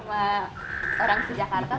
sama orang di jakarta